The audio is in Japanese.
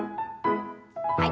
はい。